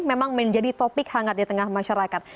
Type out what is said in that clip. memang menjadi topik hangat di tengah masyarakat